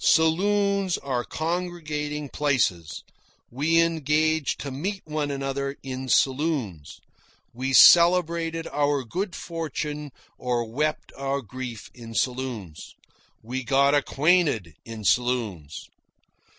Saloons are congregating places. We engaged to meet one another in saloons. We celebrated our good fortune or wept our grief in saloons. We got acquainted in saloons.